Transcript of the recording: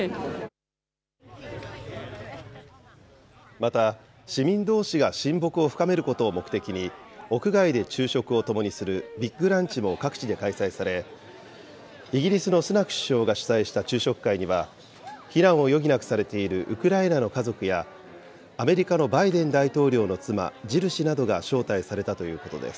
また、市民どうしが親睦を深めることを目的に、屋外で昼食を共にするビッグランチも各地で開催され、イギリスのスナク首相が主催した昼食会には、避難を余儀なくされているウクライナの家族やアメリカのバイデン大統領の妻、ジル氏などが招待されたということです。